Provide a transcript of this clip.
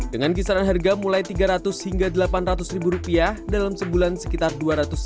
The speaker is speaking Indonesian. dengan kisaran harga mulai tiga ratus hingga delapan ratus ribu rupiah dalam sebulan sekitar dua ratus hingga tiga ratus ribu rupiah